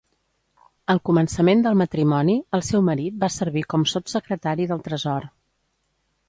Al començament del matrimoni el seu marit va servir com Sotssecretari del Tresor.